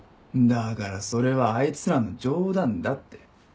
だからそれはあいつらの冗談だって。